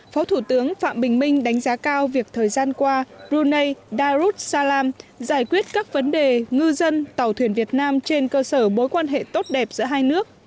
phó thủ tướng phạm bình minh đánh giá cao việc thời gian qua brunei darus salam giải quyết các vấn đề ngư dân tàu thuyền việt nam trên cơ sở mối quan hệ tốt đẹp giữa hai nước